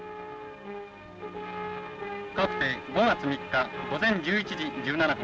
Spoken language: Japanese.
「５月３日午前１１時１７分。